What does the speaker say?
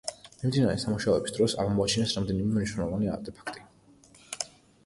მიმდინარე სამუშაოების დროს აღმოაჩინეს რამდენიმე მნიშვნელოვანი არტეფაქტი.